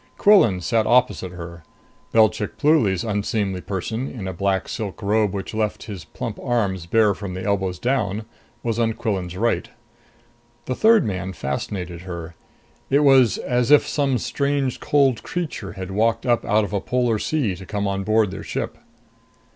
Quillan sat opposite her. Belchik Pluly's unseemly person, in a black silk robe which left his plump arms bare from the elbows down, was on Quillan's right. The third man fascinated her. It was as if some strange cold creature had walked up out of a polar sea to come on board their ship.